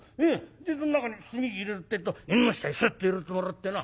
でそん中に炭入れるってえと縁の下にスッと入れてもらってな。